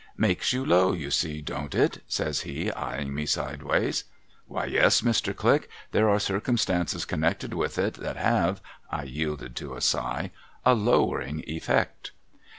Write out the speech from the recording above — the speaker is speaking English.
' Makes you low, you see, don't it ?' says he, eyeing me sideways. ' Why, yes, Mr. Click, there are circumstances connected with it that have,' I yielded to a sigh, ' a lowering effect.'